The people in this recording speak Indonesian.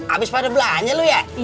abis pada belanya lu ya